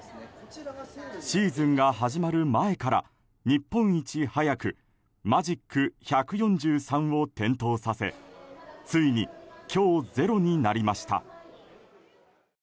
シーズンが始まる前から日本一早くマジック１４３を点灯させついに今日、ゼロになりました。